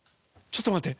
ちょっと待って！